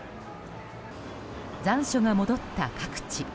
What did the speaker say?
残暑が戻った各地。